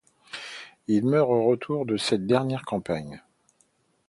Il meurt au retour de cette dernière campagne.